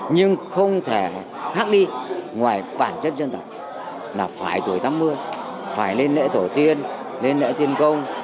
nhưng không thể khác đi ngoài bản chất dân tộc là phải tuổi tám mươi phải lên lễ tổ tiên lên lễ tiên công